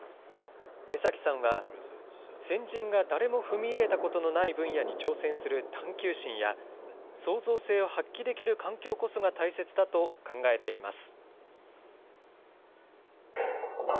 江崎さんは先人が誰も踏み入れたことのない分野に挑戦する探究心や、創造性を発揮できる環境こそが大切だと考えています。